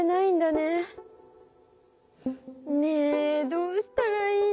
ねえどうしたらいいんだろう？